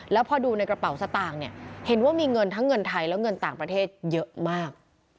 แล้วพอดูในกระเป๋าสตางค์เนี่ยเห็นว่ามีเงินทั้งเงินไทยและเงินต่างประเทศเยอะมาก